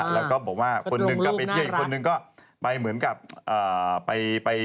แล้วก็บอกว่าคนหนึ่งก็ไปเที่ยวอีกคนหนึ่งก็